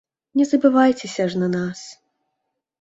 Не забывайцеся ж на нас.